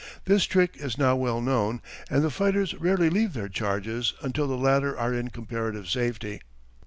This trick is now well known and the fighters rarely leave their charges until the latter are in comparative safety.